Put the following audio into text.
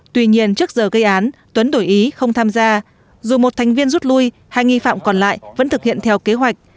tuy nhiên trước giờ gây án tuấn đổi ý không tham gia dù một thành viên rút lui hai nghi phạm còn lại vẫn thực hiện theo kế hoạch